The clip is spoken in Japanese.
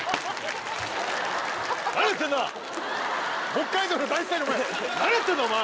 北海道の大スターにお前何やってんだお前！